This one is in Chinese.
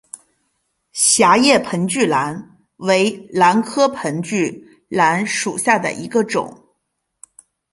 狭叶盆距兰为兰科盆距兰属下的一个种。